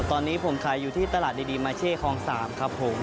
ตอนนี้ผมขายอยู่ที่ตลาดดีมาเช่คลอง๓ครับผม